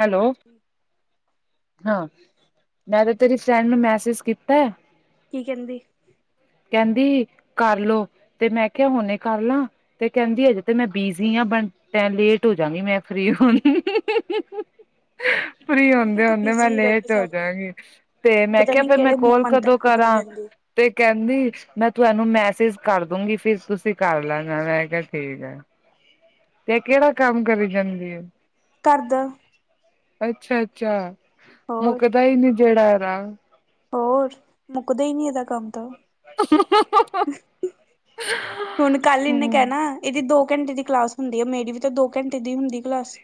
Hello [inaudible] ਹਾਂ ਮੈਂ ਤਾਂ ਤੇਰੀ ਫਰੈਂਡ ਨੂੰ ਮੈਸੇਜ ਕੀਤਾ ਕੀ ਕਹਿੰਦੀ ਕਹਿੰਦੀ ਕਰਲੋ ਤੇ ਮੈਂ ਕਿਹਾਿਆ ਹੁਨੇ ਕਰ ਲਾ ਤੇ ਕਹਿੰਦੀ ਆ ਜੇ ਤੇ ਮੈਂ ਬਿਜੀੀ ਹ ਬਣ ਲੇਟ ਹੋ ਜਾਗੀ ਮੈਂ ਫ੍ਰਰੀ ਹੋਣੀ [unintelligible] ਫਰੀ ਅੰਕਲ ਹੁੰਦੇ ਤੂੰ ਹੁੰਦੇ ਮੈਂ ਬਿਜ਼ੀ ਰਹਿੰਦੀ ਲੇਟ ਹੋ ਸਾਰਾ ਜਾਗੀ ਦਿਨ ਤੇ ਮੈਂ ਪਤਾ ਕਿਹਾ ਨੀ ਫੇਿਰ ਮੈਂ ਕਿਹੜੇ ਮੂੰਹ ਕੋਲ ਮੰਤਰ ਕਦੋਂ ਫੂਕਦੀ ਕਰਾਂ ਰਹਿੰਦੀ ਤੇ ਕਹਿੰਦੀ ਮੈਂ ਤੁਹਾਨੂੰ ਮੈਸੇਜ ਕਰ ਦੂੰਗੀ ਫਰ ਤੁਸੀਂ ਕਰ ਲੈਣਾ ਮੈਂ ਕਿਹਾ ਠੀਕ ਆ ਤੇ ਕਿਹੜਾ ਕੰਮ ਕਰੀ ਜਾਂਦੀ ਆ ਘਰ ਦਾ ਅੱਛਾ ਅੱਛਾ ਹੋਰ ਮੁੱਕਦਾ ਹੀ ਨਹੀਂੀ ਜਿਹੜਾ ਆ ਹੋਰ ਮੁੱਕਦਾ ਹੀ ਨਹੀਂੀ ਇਹਦਾ ਕੰਮ ਤਾਂ ਹੁਣ ਕੱਲ ਇਹਨੇ ਹਮ ਕਹਿਣਾ ਇਹਦੀ ਦੋ ਘੰਟੇ ਦੀ ਕਲਾਸ ਹੁੰਦੀ ਹੈ ਮੇਰੀ ਵੀ ਤਾਂ ਦੋ ਘੰਟੇ ਦੀ ਹੁੰਦੀ ਕਲਾਸ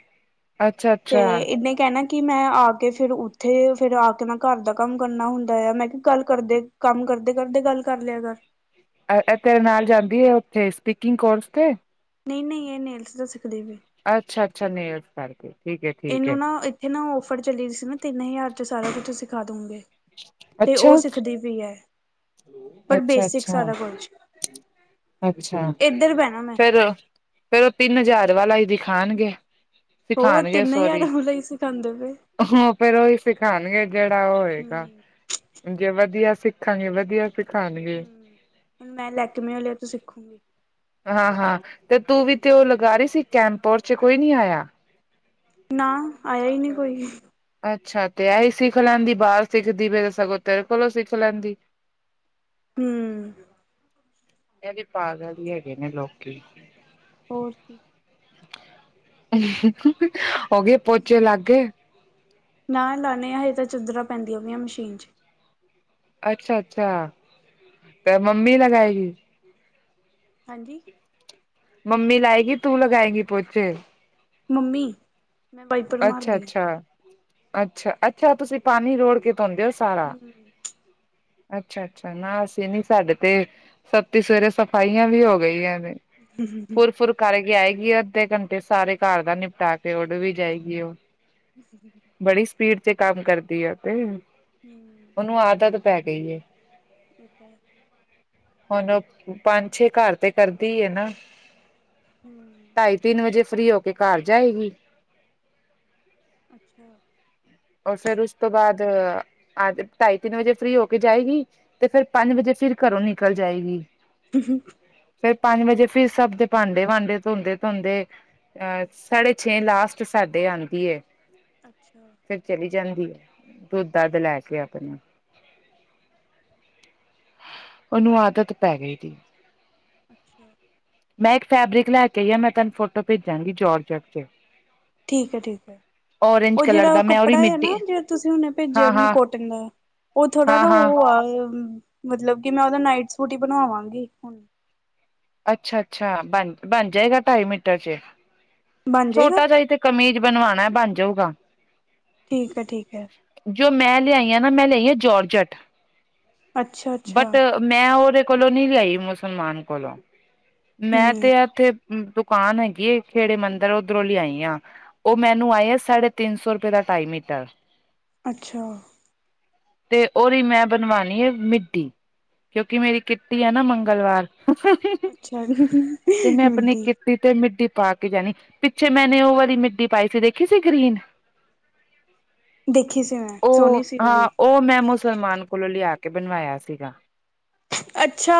ਅੱਛਾ ਤੇ ਅੱਛਾ ਇਹਨੇ ਕਹਿਣਾ ਕਿ ਮੈਂ ਆ ਕੇ ਫਿਰ ਉੱਥੇ ਫੇਿਰ ਆ ਕੇ ਮੈਂ ਘਰ ਦਾ ਕੰਮ ਕਰਨਾ ਹੁੰਦਾ ਆ ਮੈਂ ਕਿਹਾ ਗੱਲ ਕਰਦੇ ਕੰਮ ਕਰਦੇ ਕਰਦੇ ਗੱਲ ਕਰ ਲਿਆ ਕਰ ਇਹ ਤੇਰੇ ਨਾਲ ਜਾਂਦੀ ਹੈ ਉੱਥੇ ਸਪੀਕਿੰਗ ਕੋਰਸ ਤੇ ਨਹੀਂ ਨਹੀਂ ਇਹ ਨੇਲਸ ਤਾਂ ਸਿੱਖਦੇ ਵੀ ਅੱਛਾ ਅੱਛਾ ਨੌਲਜ਼ ਕਰਕੇ ਠੀਕ ਏ ਠੀਕ ਏ ਇਹਨੂੰ ਨਾ ਇੱਥੇ ਨਾ ਓਫਰ ਚੱਲ ਸੀ ਨਾ ਤਿੰਨ ਹਜ਼ਾਰ ਚ ਸਾਰਾ ਕੁਛ ਸਿਖਾ ਦਉਗੇ ਤੇ ਉਹ ਅੱਛਾ ਸਿੱਖਦੀ ਵੀ ਹੈ ਪਰ ਅੱਛਾ ਬੇਸਿਕਸ ਅੱਛਾ ਸਾਰਾ ਕੁਝ ਅੱਛਾ ਫੇਰ ਫੇਰ ਉਹ ਤਿੰਨ ਹਜ਼ਾਰ ਵਾਲਾ ਹੀ ਦਿਖਾਣਗੇ ਹੋਰ ਤਿੰਨ ਹਜ਼ਾਰਾਂ ਵਾਲਾ ਇ ਸਿਖਾਉਂਦੇ ਪਏ ਹਾਂ ਫਿਰ ਉਹੀ ਸਿਖਾਉਣਗੇ ਜਿਹੜਾ ਉਹ ਹੋਏਗਾ ਹੂੰ ਜੇ ਵਧੀਆ ਸਿੱਖਾਂਗੇਵਧ ਦੀਆ ਸਿਖਾਣਗੇ ਹੂੰ ਹੁਣ ਮੈਂ ਲੈਕਮੈਂ ਵਾਲੀਆਂ ਤੋਂ ਸਿੱਖੂੰਗੀ ਹਾਂ ਹਾਂ ਤੇ ਤੂੰ ਵੀ ਤੇ ਉਹ ਲਗਾ ਰਹੀ ਸੀ ਕੈਂਪੋਰ ਚ ਕੋਈ ਨੀ ਆਇਆ ਨਾ ਆਇਆ ਹੀ ਨਹੀਂ ਕੋਈ ਅੱਛਾ ਤੇ ਐਹੀ ਸਿੱਖ ਲੈਂਦੀ ਬਾਹਰ ਸਿੱਖਦੀ ਫੇ ਤੇ ਸਗੋਂ ਤੇਰੇ ਕੋਲੋਂ ਸਿੱਖ ਲੈਂਦੀ ਹਮ ਦੇ ਪਾਗਲ ਹੀ ਹੈਗੇ ਨੇ ਲੋਕੀ ਹੋਰ ਕੀ ਹੋਗੇ ਨਾ ਨਾ, ਨੇ ਹਜੇ ਤਾਂ ਚਦਰਰਾਂ ਪੈਂਦੀਆਂ ਵੀਆਂ ਮਸ਼ੀਨ ਚ। ਅੱਛਾ ਅੱਛਾ, ਤੇ ਮੰਮੀ ਲਗਾਏਗੀ। ਹਾਂਜੀ ਮੰਮੀ ਲਾਏਗੀ, ਤੂੰ ਲਗਾਏਂਗੀ ਪੋਚੇ। ਮੰਮੀ ਮੈਂ ਵਾਈਪਰ ਅੱਛਾ ਮਾਰਦੀ ਆ ਅੱਛਾ ਅੱਛਾ ਅੱਛਾ, ਤੁਸੀਂ ਪਾਣੀ ਰੋੜ ਕੇ ਧੋਂਦੇ ਹੋ। ਸਾਰਾ ਹੂੰ ਅੱਛਾ ਅੱਛਾ ਨਾ ਅਸੀਂ ਨੀ, ਸਾਡੇ ਤੇ ਸਤੀ ਸਵੇਰੇ ਸਫਾਈਆਂ ਵੀ ਹੋ ਗਈਆਂ ਨੇ। ਹੂੰ ਫੁਰ ਫੁਰ ਕਰਕੇ ਆਏਗੀ ਅੱਧੇ ਘੰਟੇ ਸਾਰੇ ਘਰ ਦਾ ਨਿਪਟਾ ਕੇ ਉੜ ਵੀ ਜਾਏਗੀ। ਏ ਉਹ ਕਿਸ [unintelligible] ਬੜੀ ਸਪੀਡ ਤੇ ਕੰਮ ਕਰਦੀ ਹੈ, ਔ ਤੇ। ਹੂ ਉਹਨੂੰ ਆਦਤ ਪੈ ਗਈ ਏ। ਕਿਦਾਂ ਐ ਹੁਣ, ਪੰਜ ਛੇ ਘਰ ਤੇ ਕਰਦੀ ਹੈ ਨਾ। ਹਮ [unintelligible] ਢਾਈ ਤਿੰਨ ਵਜੇ, ਫ੍ਰੀ ਹੋ ਕੇ, ਘਰ ਜਾਏਗੀ। ਅੱਛਾ ਰ ਫੇਰ ਉਸ ਤੋਂ ਬਾਅਦ, ਢਾਈ ਤਿੰਨ ਵਜੇ ਫ੍ਰੀ ਹੋ ਕੇ ਜਾਏਗੀ। ਤੇ ਫਿਰ ਪੰਜ ਵਜੇ, ਫਿਰ ਘਰੋਂ ਨਿਕਲ ਜਾਏਗੀ। ਹੂ ਫਿਰ ਪੰਜ ਵਜੇ, ਫਿਰ ਸਭ ਦੇ ਭਾਂਡੇ ਵਾਂਡੇ ਧੋਂਦੇ ਧੋਂਦੇ ਅਹ, ਸਾਢੇ ਛੇ ਲਾਸਟ ਸਾਡੇ ਆਉਂਦੀ ਏ। ਅੱਛਾ ਫਿਰ ਚਲੀ ਜਾਂਦੀ ਆ, ਦੁੱਧ ਦੱਧ ਲੈ ਕੇ ਆਪਣੇ। ਉਹਨੂੰ ਆਦਤ ਪੈ ਗਈ ਦੀ ਅੱਛਾ ਮੈਂ ਇੱਕ ਫੈਬਰਿਕ ਲੈ ਕੇ ਆਈ ਆਂ, ਮੈਂ ਤੈਨੂੰ ਫੋਟੋ ਭੇਜਾਂਗੀ, ਜੋਰਜਟ ਚ। ਠੀਕ ਹੈ ਠੀਕ ਹੈ, ਔਰਂਜ ਉਹ ਕਲਰ ਜਿਹੜਾ ਦਾ ਮੈਂ ਉਹਦੀ ਕੱਪੜਾ ਐ ਮਿੱਡੀ ਨਾ, ਜੇੜਾ ਤੁਸੀਂ ਹੁਣੇ ਭੇਜਿਆ ਹਾਂ ਮੈਨੂੰ, ਹਾਂ ਕੋਟਨ ਦਾ ਉਹ ਥੋੜਾ ਹਾਂ ਨਾ ਹਾਂ ਉਹ ਆ, ਮਤਲਬ ਕਿ ਮੈਂ ਉਹਦਾ ਨਾਈਟ ਸੂਟ ਹੀ ਬਣਵਾਵਾਂਗੀ ਹੁਣ। ਅੱਛਾ ਅੱਛਾ, ਬਣ ਬਣ ਜਾਏਗਾ ਢਾਈ ਮੀਟਰ ਚ। ਬਣ ਜਾਏਗਾ ਛੋਟਾ ਜਿਹਾ ਹੀ, ਤੇ ਕਮੀਜ਼ ਬਣਵਾਣਾ, ਬਣ ਜਾਊਗਾ। ਠੀਕ ਹੈ ਠੀਕ ਹੈ ਜੋ ਮੈਂ ਲਿਆਈ ਆਂ ਨਾ, ਮੈਂ ਲਿਆਈ ਆ ਜੋਰਜਟ, ਅੱਛਾ ਅੱਛਾ ਬਟ ਮੈਂ ਉਹਦੇ ਕੋਲੋਂ ਨੀ ਲਈ ਮੁਸਲਮਾਨ ਕੋਲੋਂ, ਮੈਂ ਹਮ ਤੇ ਇੱਥੇ ਦੁਕਾਨ ਹੈਗੀ ਏ, ਖੇੜੇ ਮੰਦ ਮੈਂ ਔਦਰੋ ਲਿਆਈ ਆਂ, ਉਹ ਮੈਨੂੰ ਆਏ ਆ, ਸਾਢੇ ਤਿੰਨ ਸੌ ਰੁਪਏ ਦਾ ਟਾਈ ਮੀਟਰ ਅੱਛਾ ਤੇ ਉਹਦੀ ਮੈਂ ਬਣਵਾਣੀ ਹੈ, ਮੀਡੀ। ਕਿਉਂਕਿ ਮੇਰੀ ਕਿੱਟੀ ਐ ਨਾ ਮੰਗਲਵਾਰ ਅੱਛਾ ਜੀ, ਮੀਡੀ ਬੀ ਤੇ ਮਿੱਡੀ ਪਾ ਕੇ ਜਾਣੀ, ਪਿੱਛੇ ਮੈਨ ਉਹ ਵਾਲੀ ਮਿੱਡੀ ਪਾਈ ਸੀ, ਦੇਖੀ ਸੀ ਗ੍ਰੀਨ। ਦੇਖੀ ਸੀ ਮੈਂ ਉਹ, ਸੋਹਣੀ ਸੀ ਹਾਂ, ਵੀ ਉਹ ਮੈਂ ਸਲਮਾਨ ਕੋਲੋਂ ਲਿਆ ਕੇ, ਬਣਵਾਇਆ ਸੀਗਾ। ਅੱਛਾ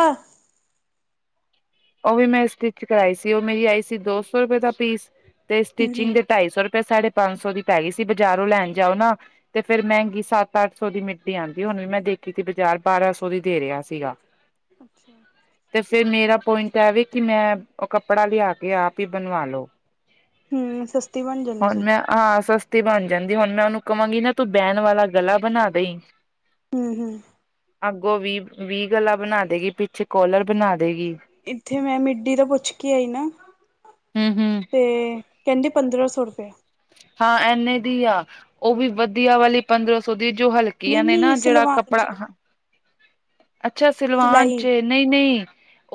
ਉਹ ਵੀ ਮੈਂ ਸਟਿਚ ਕਰਵਾਾਈ ਸੀ, ਉਹ ਮੇਰੀ ਆਈ ਸੀ ਦੋ ਸੌ ਰੁਪਏ ਦਾ ਪੀਸ। ਤੇ ਹਮ ਸਟਿਚਿੰਗ ਹਮ ਦੇ ਢਾਈ ਸੌ ਰੁਪਏ, ਸਾਢੇ ਪੰਜ ਸੌ ਦੀ ਪੈ ਗਈ ਸੀ, ਬਾਜ਼ਾਰੋਂ ਲੈਣ ਜਾਓ ਨਾ ਤੇ ਫਿਰ ਮਹਿੰਗੀ ਸੱਤ ਅੱਠ ਸੌ ਦੀ ਮਿੱਟੀ ਆਉਂਦੀ, ਹੁਣ ਵੀ ਮੈਂ ਦੇਖੀ ਸੀ ਬਾਜ਼ਾਰ, ਬਾਰਾਂ ਸੌ ਦੀ ਦੇ ਰਿਹਾ ਸੀਗਾ। [unintelligible] ਅੱਛਾ ਤੇ ਫੇਿਰ ਮੇਰਾ ਪੁਆਇੰਟ ਐਵੇ ਕਿ ਮੈਂ ਉਹ ਕੱਪੜਾ ਲਿਆ ਕੇ ਆਪ ਹੀ ਬਣਵਾ ਲੋ ਹੂੰ ਸਸਤੀ ਬਣ ਜਾਂਦੀ ਹੁਣ ਸਗੋਂ ਮੈਂ ਹਾਂ ਸਸਤੀ ਬਣ ਜਾਂਦੀ ਹੁਣ ਮੈਂ ਉਹਨੂੰ ਕਹਾਂਗੀ ਨਾ ਤੂੰ ਬੈਨ ਵਾਲਾ ਗਲਾ ਬਣਾ ਦਈ ਹਮ ਹਮ ਅੱਗੋਂ ਵੀ ਗਲਾਾਂ ਬਣਾ ਦੇਗੀ ਪਿੱਛੇ ਕੋਲਰ ਬਣਾ ਦੇਗੀ ਇੱਥੇ ਮੈਂ ਮਿੱਡੀ ਦਾ ਪੁੱਛ ਕੇ ਆਈ ਨਾ ਹੂੰ ਹੂੰ ਅਤੇ ਕਹਿੰਦੀ ਪੰਦਰਾਂ ਸੌ ਰੁਪਆ ਹਾਂ ਐਨੇ ਦੀ ਆ ਉਹ ਵੀ ਵਧੀਆ ਵਾਲੀ ਪੰਦਰਾਂ ਸੌ ਦੀ ਜੋ ਹਲਕੇ ਨਹੀਂ ਹਲਕੀਆਂ ਨੇ ਨਾ ਨਹੀਂ ਜਿਹੜਾ ਸਲਵਾਨ ਚ ਕੱਪੜਾ ਅੱਛਾ ਸਲਵਾਨ ਚ ਸਿਲਾਈ ਨਹੀਂ ਨਹੀਂ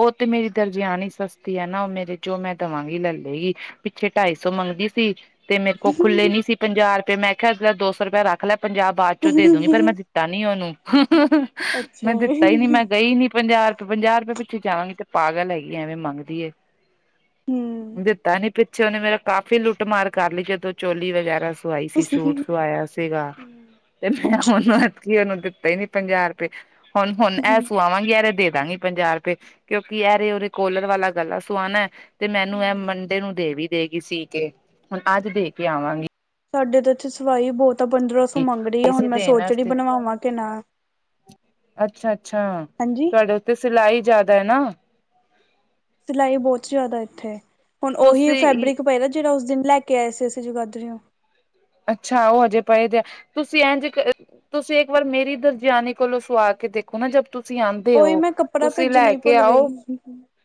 ਉਹ ਤੇ ਮੇਰੀ ਦਰਜਿਆਾਨ ਹੀ ਸਸਤੀ ਹੈ ਨਾ ਉਹ ਮੇਰੇ ਚੋਂ ਮੈਂ ਦੇਵਾਂਗੀ ਲੈ ਲੇਗੀ ਪਿੱਛੇ ਢਾਈ ਸੌ ਮੰਗਦੀ ਸੀ ਤੇ ਮੇਰੇ ਕੋਲ ਖੁੱਲੇ ਨੀ ਸੀ ਪੰਜਾਹ ਰੁਪਏ ਮੈਂ ਕਿਹਾਿਆ ਇਸਦਾ ਦੋ ਸੌ ਰੁਪਇ ਰੱਖ ਲਿਆ ਪੰਜਾਬ ਬਾਅਦ ਚੋਂ ਦੇ ਦੂਗੀ ਪਰ ਮੈਂ ਦਿੱਤਾ ਨੀ ਉਹਨੂੰ ਅੱਛਾ ਮੈਂ ਦਿੱਤਾ ਹੀ ਨੀ ਹੂੰ ਮੈਂ ਗਈ ਨੀ ਪੰਜਾਹ ਰੁਪਏ ਪੰਜਾਹ ਰੁਪਏ ਪਿੱਛੇ ਜਾਵਾਂਗੀ ਤੇ ਪਾਗਲ ਹੈਗੀ ਐਵੇਂ ਮੰਗਦੀ ਏ ਹੂੰ ਦਿੱਤਾ ਨੀ ਪਿੱਛੇ ਉਹਨੇ ਮੇਰਾ ਕਾਫ਼ੀ ਲੁੱਟਮਾਰ ਕਰ ਲਈ ਜਦੋਂ ਚੋਲੀ ਵਗੈਰਾ ਸਵਾਈ ਸੀ ਸੂਟ ਸਵਾਇਆ ਸੀਗਾ ਤੇ ਮੈਂ ਹੁਣ ਐਕ ਉਹਨੂੰ ਦਿੱਤਾ ਹੀ ਨੀ ਪੰਜਾਹ ਰੁਪਏ ਹੁਣ ਹੁਣ ਐਸੂ ਆਵਾਂਗੀ ਯਾਰ ਦੇ ਦਾਂਗੀ ਪੰਜਾਹ ਰੁਪਏ ਕਿਉਂਕਿ ਐਰੇ ਉਓਰੇ ਕੋਲਰ ਵਾਲਾ ਗੱਲਾਂ ਸੁਆਣਾ ਤੇ ਮੈਨੂੰ ਇਹ ਹੂੰ ਮੰ ਡੇ ਨੂੰ ਦੇਵ ਦੇਗੀਈ ਸੀ ਕੇ ਹੁਣ ਅੱਜ ਦੇ ਕੇ ਆਵਾਂਗੀ ਸਾਡੇ ਤਾਂ ਇੱਥੇ ਸਵਾਂਈ ਬਹੁਤ ਆ ਪੰਦਰਾਂ ਮੰਗਣੀ ਆ ਇਸੇ ਹੁਣ ਮੈਂ ਦੇਣ ਸੋਚਣੀ ਵਾਸਤੇ ਬਣਵਾਵਾਂ ਕਿ ਨਾ ਅੱਛਾ ਅੱਛਾ ਹਾਂਜੀ ਤੁਹਾਡੇ ਉੱਤੇ ਸਿਲਾਈ ਜ਼ਿਆਦਾ ਹੈ ਨਾ ਸਿਲਾਈ ਬਹੁਤ ਜ਼ਿਆਦਾ ਇੱਥੇ ਹੁਣ ਉਹੀ ਤੁਸੀਂ ਫੈਬਰਿਕ ਪਏਦਾ ਜਿਹੜਾ ਉਸ ਦਿਨ ਲੈ ਕੇ ਆਏ ਸੀ ਅਸੀਂ ਜਗਾਦਰੀਓ ਅੱਛਾ ਉਹ ਹਜੇ ਪਏ ਜ ਆ ਤੁਸੀਂ ਇਂ ਜ ਤੁਸੀਂ ਇੱਕ ਵਾਰ ਮੇਰੀ ਦਰਜਿਆਨੀ ਕੋਲੋਂ ਸੁਆ ਕੇ ਦੇਖੋ ਨਾ ਜ ਤੁਸੀਂ ਆਉਂਦੇ ਉਹੀ ਹੋ ਮੈਂ ਕੱਪੜਾ ਤੁਸੀਂ ਭੇਜਣਾ ਲੈ ਹੀ ਕੇ ਭੁੱਲ ਗਈ ਆਓ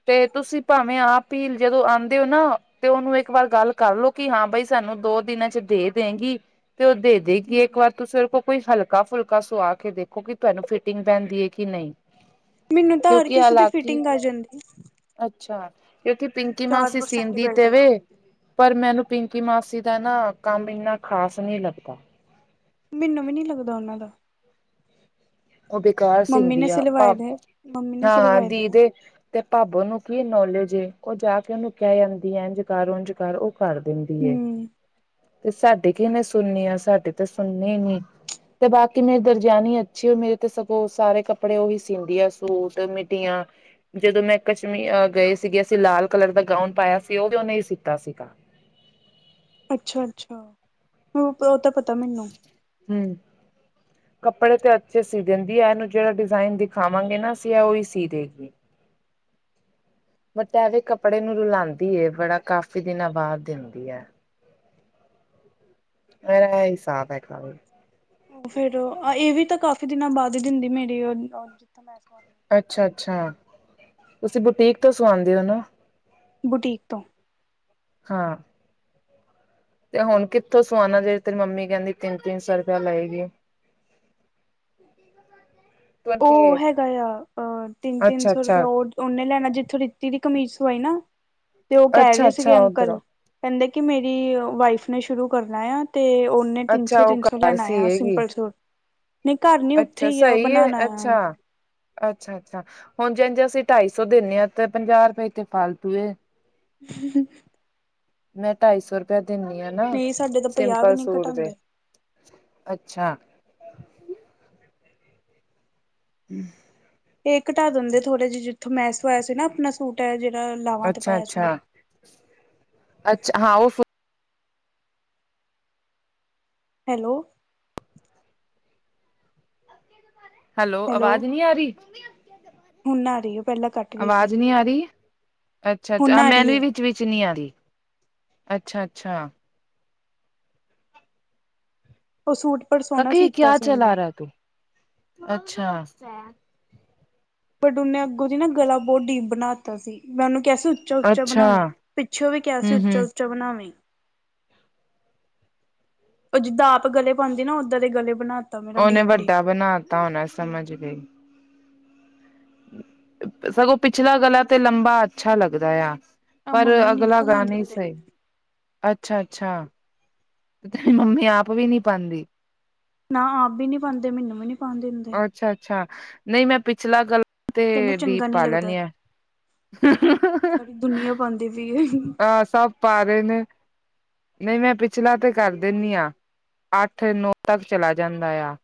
ਤੇ ਤੁਸੀਂ ਭਾਵੇਂ ਆਪ ਹੀ ਜਦੋਂ ਆਉਂਦੇ ਹੋ ਨਾ ਤੇ ਉਹਨੂੰ ਇੱਕ ਵਾਰ ਗੱਲ ਕਰਲੋ ਕਿ ਹਾਂ ਬਾਈ ਸਾਨੂੰ ਦੋ ਦਿਨਾਂ ਚ ਦੇ ਦੇਗੀ ਤੇ ਉਹ ਦੇ ਦੇਗੀ ਇੱਕ ਵਾਰ ਤੂੰਂ ਕੋਈ ਹਲਕਾ ਫੁਲਕਾ ਸੁਆ ਕੇ ਦੇਖੋ ਕਿ ਤੁਹਾਨੂੰ ਫਿਟਿੰਗ ਪੈਂਦੀ ਹੈ ਕਿ ਨਹੀਂ ਮੈਨੂੰ ਤਾਂ ਹਰ ਕਿਉਂਕਿ ਕਿਸੇ ਦੀ ਹਾਲਾਂਕਿ ਫਿਟਿੰਗ ਆ ਜਾਂਦੀ ਅੱਛਾ ਕਿਉਂਕਿ ਪਿੰਕੀ ਚਾਰ ਮਾਸੀ ਪਰਸੈਂਟ ਸੀਦੀ ਬੈਲਟ ਤੇ ਵ ਪਰ ਮੈਨੂੰ ਪਿੰਕੀ ਮਾਸੀ ਦਾ ਨਾ ਕੰਮ ਇੰਨਾ ਖ਼ਾਸ ਨਹੀਂ ਲੱਗਦਾ ਮੈਨੂੰ ਵੀ ਨੀ ਲੱਗਦਾ ਉਹਨਾਂ ਦਾ ਉਹ ਬੇਕਾਰ ਮੰਮੀ ਸਿੰਦੀ ਨੇ ਆ ਸਿਲਵਾਏ ਦੇ ਮੰਮੀ ਨੇ ਸਿਲਵਾਏ ਦੇ ਤੇ ਭਾਬੋ ਨੂੰ ਕੀ ਨੌਲੇਜ ਉਹ ਜਾ ਕੇ ਉਹਨੂੰ ਕਹਿ ਜਾਂਦੀ ਇੰਝ ਕਰ ਉੰਝ ਕਰ ਉਹ ਕਰ ਦਿੰਦੀ ਹੈ ਹੂੰ ਤੇ ਸਾਡੇ ਕਿਨੇ ਸੁਣਨੀ ਆ ਸਾਡੇ ਤਾਂ ਸੁਣਨੀ ਨੀ ਤੇ ਬਾਕੀ ਮੇਰੀ ਦਰਜਾਨੀ ਅੱਛੀ ਹੋ ਮੇਰੇ ਤੇ ਸਗੋਂ ਸਾਰੇ ਕੱਪੜੇ ਓਹੀ ਸੀਂਦੀ ਆ ਸੂਟ ਮਿੱਡੀਆਂ ਜਦੋਂ ਮੈਂ ਕਸ਼ਮੀਹ ਗਏ ਸੀਗੇ ਅਸੀਂ ਲਾਲ ਕਲਰ ਦਾ ਗਾਊਨ ਪਾਇਆ ਸੀ ਉਹ ਵੀ ਉਹਨੇ ਹੀ ਸੀਤਾ ਸੀਗਾ ਅੱਛਾ ਅੱਛਾ ਉਹ ਤਾਂ ਪਤਾ ਮੈਨੂੰ ਹਮ ਕੱਪੜੇ ਤੇ ਅੱਛੇ ਸੀ ਦਿੰਦੀ ਆ ਇਹਨੂੰ ਜਿਹੜਾ ਡਿਜ਼ਾਇਨ ਦਿਖਾਵਾਂਗੇ ਨਾ ਅਸੀਂ ਇਹ ਉ ਹੀ ਸੀ ਦੇਗੀ ਬਟ ਕੱਪੜੇ ਨੂੰ ਰੁਲਾਉਂਦੀ ਬੜਾ ਕਾਫੀ ਦਿਨਾਂ ਬਾਅਦ ਦਿੰਦੀ ਹੈ ਮ ਸਾ ਹੈ ਕ ਫੇਰ ਇਹ ਵੀ ਤਾਂ ਕਾਫੀ ਦਿਨਾਂ ਬਾਅਦ ਹੀ ਦਿੰਦੀ ਮੇਰੀ ਜਿੱਥ ਮੈਂ ਅੱਛਾ-ਅੱਛਾ, ਤੁਸੀਂ ਬੁਟੀਕ ਤੋਂ ਸਵਾਂਦੇ ਹੋ, ਨਾ? ਬੁਟੀਕ ਤੋਂ। ਹਾਂ। ਤੇ, ਹੁਣ ਕਿੱਥੋਂ ਸਵਾਣਾ ਜੇ? ਤੇਰੀ ਮੰਮੀ ਕਹਿੰਦੀ ਤਿੰਨ-ਤਿੰਨ ਸੌ ਰੁਪਇਆ ਲਏਗੀ। [inaudible] ਉਹ ਏਟ ਹੈਗਾ ਤਾਂ, ਅ ਤਿੰਨ-ਤਿੰਨ ਸੌ ਰੁਪਇਆ ਅੱਛਾ-ਅੱਛਾ, ਉਹਨੇ ਲੈਣਾ ਜਿੱਥੋਂ ਰਿੱਤੀ ਦੀ ਕਮੀਜ਼ ਸਵਾਈ ਨਾ, ਤੇ ਉਹ ਕਹਿ ਰਹੇ ਅੱਛਾ-ਅੱਛਾ ਸੀਗੇ ਅੰਕਲ। ਉਧਰੋਂ ਕਹਿੰਦੇ ਕੀ ਮੇਰੀ ਵਾਈਫ ਨੇ ਸ਼ੁਰੂ ਕਰਨਾ ਯਾ, ਤੇ ਉਹਨ ਤਿੰਨ-ਸੋ, ਅੱਛਾ ਉਹ ਤਿੰਨ-ਸੋ ਘਰ ਲੈਣਾ ਸੀ ਤਾਂ, ਹੈਗੀ। ਸਿੰਪਲ ਸੂਟ, ਨਹੀਂ ਘਰ ਨੀ ਉੱਥੇ ਅੱਛਾ ਹੀ ਆ ਉਹ ਸਹੀ ਏ ਬਣਾਣਾ ਅੱਛਾ! ਅੱਛਾ-ਅੱਛਾ, ਹੁਣ ਜੇਂਜ ਅਸੀਂ ਢਾਈ-ਸੌ ਦਿੰਨੇ ਹਾਂ, ਤੇ ਪੰਜਾਹ-ਰੁਪਏ ਇੱਥੇ ਫਾਲਤੂ‌ ਦੇ। ਹੰ, ਹੰ ''ਮੈਂ' ਢਾਈ-ਸੌ ਰੁਪਇਆ ਦਿੰਨੀ ਆਂ, ਨਾ ਨਹੀਂ ਸਾਡੇ ਤਾਂ ਪੰਜਾਹ ਵੀ ਸਿੰਪਲ ਨਹੀਂ ਸੂਟ ਦੇ। ਘਟਾਉਂਦੇ ਅੱਛਾ। ਹੂੰ ਇਹ ਘਟਾ ਦਿੰਦੇ ਥੋੜੇ ਜਿਹੇ, ਜਿੱਥੋਂ ਮੈਂ ਸਵਾਇਆ ਸੀ ਨਾ ਆਪਣਾ ਸੂਟ। ਜਿਹੜਾ ਲਾ ਅੱਛਾ-ਅੱਛਾ, ਅੱਛਾ, ਹਾਂ ਉਹ ਹੈਲੋ। ਹੈਲੋ, ਅਵਾਜ਼ ਨਹੀਂ ਆ ਰਹੀ? ਹੁਨ ਆ ਰਹੀ ਏ, ਪਹਿਲਾਂ ਘੱਟ ਗਈ ਸੀ। ਆਵਾਜ਼ ਆ ਰੀਏ, ਅੱਛਾ, ਹੁਣ ਅੱ ਆ ਰਹੀ ਮੈਨੇ ਹੈ ਵਿੱਚ-ਵਿਚ ਨੀ ਆ ਰਹੀ। ਅੱਛਾ-ਅੱਛਾ। ਉਹ ਸੂਟ ਪਰ ਸੋਹਣਾ ਕਾਕੇ, ਸੀਤਾ ਕਿਆ ਸੀ ਚਲਾ ਉਹਨੇ ਰਹਾ ਤੂੰ? ਅੱਛਾ। ਬਟ ਉਹਨੇ ਅੱਗੋਂ ਦੀ ਨਾ, ਗਲਾ ਬਹੁਤ ਡੀਪ ਬਣਾਤਾ ਸੀ, ਮੈਂ ਉਹਨੂੰ ਕਿਹਾ ਸੀ ਉੱਚਾ-ਉੱਚਾ ਅੱਛਾ, ਬਣਾਂਵੀ ਪਿੱਛੋਂ ਵੀ ਕਿਹਾ ਸੀ, ਹੂੰ-ਹੂੰ, ਉੱਚਾ-ਉੱਚਾ ਬਣਾਵੀਂ। ਓ ਜਿੱਦਾਂ ਆਪ ਗਲੇ ਪਾਂਦੀ ਨਾ, ਓਦਾਂ ਦੇ ਗਲੇ ਬਣਾ ਤਾ ਮੇਰਾ ਉਹਨੇ ਡੀਪ ਡੀਪ ਵੱਡਾ ਬਣਾਤਾ ਹੋਣਾ, ਸਮਝ ਗਈ। ਸਗੋਂ ਪਿਛਲਾ ਗਲਾ ਤੇ ਲੰਬਾ ਅੱਛਾ ਲੱਗਦਾ ਯਾ। ਆਹ ਪਰ ਮੰਮੀ ਨੀ ਨਾ ਅਗਲਾ ਗਲ੍ਹਾ ਬਣਾਉਣ ਨਹੀ ਦਿੰਦੇ ਸਹੀ, ਅੱਛਾ-ਅੱਛਾ। ਤੇਰੀ ਮੰਮੀ ਆਪ ਵੀ ਨੀ ਪਾਂਦੀ। ਨਾ ਆਪ ਵੀ ਨੀ ਪਾਂਦੇ, ਮੈਨੂੰ ਵੀ ਨੀ ਪਾਣ ਦਿੰਦੇ। ਅੱਛਾ-ਅੱਛਾ, ਨਹੀਂ ਮੈਂ ਪਿਛਲਾ ਗੱਲਾ ਕਹਿੰਦੇ ਤੇ ਡੀਪ ਚੰਗਾ ਨੀ ਪਾ ਲੱਗਦਾ ਲੈਨੀ ਆਂ। ਸਾਰੀ ਦੁਨੀਆਂ ਪਾਉਂਦੀ ਪਈ ਹੈ ਹਹ ਸਭ ਪਾ ਰਹੇ ਨੇ। ਨਹੀਂ, ਮੈਂ ਪਿਛਲਾ ਤੇ ਕਰ ਦਿੰਨੀ ਆਂ, ਅੱਠ-ਨੌ ਤੱਕ ਚਲਾ ਜਾਂਦਾ ਯਾ।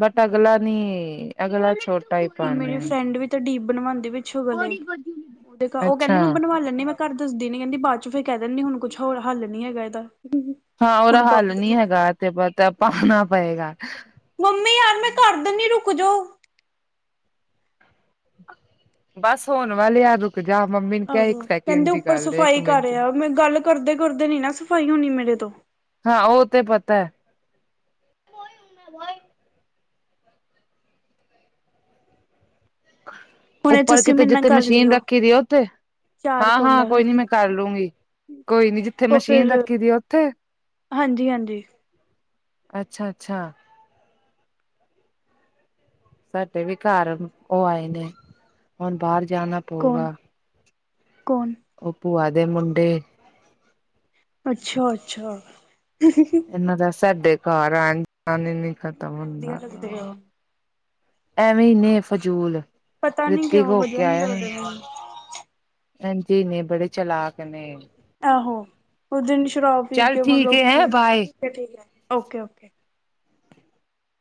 ਬਟ ਅਗਲਾ ਨਹੀਂ, ਅਗਲਾ ਛੋਟਾ ਹੀ ਹੁਣ, ਪਾਨੇ ਮੇਰੀ ਆ। ਫਰੈਂਡ ਵੀ ਤਾਂ ਡੀਪ ਬਣਵਾਉਂਦੀ ਪਿੱਛੋਂ ਗਲੇ। ਉਹ ਕਹਿੰਦੀ ਅੱਛਾ, ਮੈਂ, ਬਣਵਾ ਲੈਂਦੀ ਮੈਂ ਘਰ ਦੱਸਦੀ ਨੀ, ਕਹਿੰਦੀ ਬਾਅਦ'ਚ ਫੇਰ ਕਹਿ ਦਿੰਨੀ, ਹੁਣ ਕੁਛ ਹੋਰ ਹੱਲ ਨੀ ਹੈਗਾ ਇਹਦਾ। ਹਾਂ, ਓਰ ਹੁਣ ਹੱਲ ਪਾਉਂਦਾ ਨੀ ਵੀ ਨਹੀਂ। ਹੈਗਾ, ਤੇ ਬਤਾ ਪਾਣਾ ਪਏਗਾ। ਮੰਮੀ ਯਾਰ ਮੈਂ ਕਰ ਦਿੰਨੀ, ਰੁਕਜੋ। ਬਸ ਹੋਣ ਵਾਲੇ ਆ, ਰ ਰੁਕ ਜਾ ਮੰਮੀ ਨੇ ਕਿਹਾ ਇੱਕ ਆਹੋ, ਸੈਕਿੰਡ ਕਹਿੰਦੇ ਦੀ ਉੱਪਰ ਗੱਲ ਏ, ਇੱਕ ਸਫ਼ਾਈ ਕਰ ਮਿੰਟ ਯਾਂ, ਮੈਂ ਗੱਲ ਕਰਦੇ-ਕਰਦੇ ਨੀ ਨਾ ਸਫ਼ਾਈ ਹੋਣੀ ਮੇਰੇ ਤੋਂ। ਹਾਂ, ਉਹ ਤੇ ਪਤੈ। ਵਾਈ ਹੁਣੇ ਉੱਪਰ ਤੁਸੀਂ ਕਿਥੇ, ਮੇਰੇ ਨਾਲ ਜਿੱਥੇ ਕਰ ਮਸ਼ੀਨ ਲਿਓ ਰੱਖੀ ਦੀ ਆ, ਉੱਥੇ? ਚਾਰ ਹਾਂ-ਹਾਂ, ਕੋਲਾਂ ਕੋਈ ਨੀ ਮੈਂ ਕਰਲੂੰਗੀ, ਕੋਈ ਨੀ। ਜਿੱਥੇ ਮਸ਼ੀਨ ਰੱਖੀ ਦੀ ਹੈ ਉੱਥੇ? ਹਾਂਜੀ-ਹਾਂਜੀ। ਅੱਛਾ-ਅੱਛਾ। ਸਾਡੇ ਵੀ ਘਰ ਉਹ ਆਏ ਨੇ, ਹੁਣ ਬਾਹਰ ਜਾਣਾ ਕੋਣ, ਕੋਣ? ਓ ਭੂਆ ਦੇ ਮੁੰਡੇ। ਅੱਛਾ-ਅੱਛਾ, ਤੂਸੀ ਫਿ ਇਨਾਂ ਦਾ ਸਾਡੇ ਘਾਰ ਆਨ-ਜਾਨ ਈ ਨੀ ਖਤਮ ਇੰਨੇ ਵਧੀਆ ਹੁੰਦਾ ਲੱਗਦੇ ਆ ਐਂਵੀ ਨੇ ਫਜੂਲ, ਪਤਾ ਨੀ ਰਿਤਿਕ ਕਿਉਂ ਹੋ ਕੇ ਵਧੀਆ ਨੀ ਆਏਆ ਨ ਲੱਗਦੇ ਮੈਨੂੰ ਐਂਜੀ ਨੇ ਬੜੇ ਚਲਾਕ ਨੇ। ਆਹੋ ਓਦਨ ਵੀ ਸ਼ਰਾਬ ਪੀ ਚੱਲ ਕੇ ਠੀਕ ਮਤਲਬ ਹੈ ਕੀ, ਹੈਂ ਬਾਏ ਠੀਕ ਓਕੇ-ਓਕੇ।